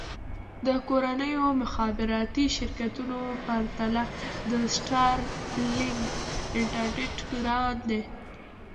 د کورنیو مخابراتي شرکتونو پرتله د سټارلېنک انټرنېټ ګران دی.